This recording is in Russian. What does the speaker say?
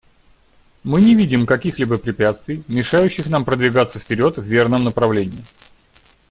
Мы не видим каких-либо препятствий, мешающих нам продвигаться вперед в верном направлении.